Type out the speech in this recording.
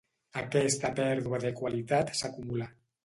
Aquesta pèrdua de qualitat s'acumula.